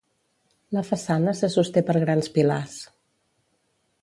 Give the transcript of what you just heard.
La façana se sosté per grans pilars.